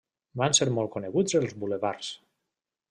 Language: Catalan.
Van ser molt coneguts els bulevards.